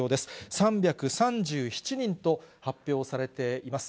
３３７人と発表されています。